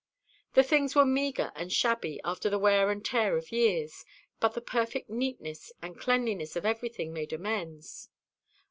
The things were meagre and shabby after the wear and tear of years; but the perfect neatness and cleanliness of everything made amends.